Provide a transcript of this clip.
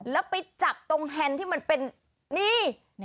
แล้วไปจับตรงแฮนด์ที่มันเป็นนี่